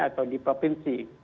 atau di provinsi